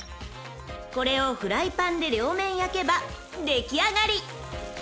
［これをフライパンで両面焼けば出来上がり］